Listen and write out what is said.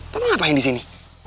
pa pa ngapain di sini